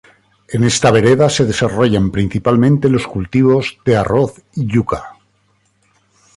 En esta vereda se desarrollan principalmente los cultivos de arroz y yuca.